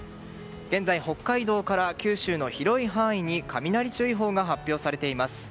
現在、北海道から九州の広い範囲に雷注意報が発表されています。